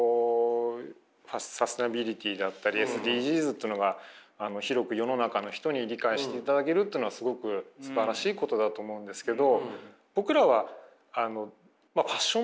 サスティナビリティだったりＳＤＧｓというのが広く世の中の人に理解していただけるっていうのはすごくすばらしいことだと思うんですけど。